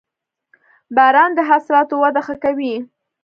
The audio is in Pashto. • باران د حاصلاتو وده ښه کوي.